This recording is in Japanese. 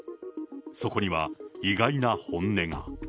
そこには、意外な本音が。